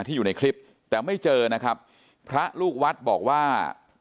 อยู่ในคลิปแต่ไม่เจอนะครับพระลูกวัดบอกว่า